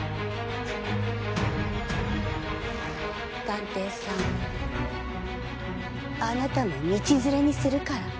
探偵さんあなたも道連れにするから。